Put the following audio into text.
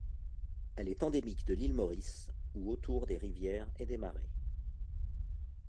Elle est endémique de l'île Maurice, où autour des rivières et des marais.